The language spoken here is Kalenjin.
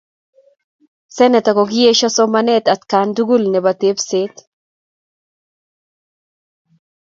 Senator kokiesyo someetab atkaan tugul nebo tepseet.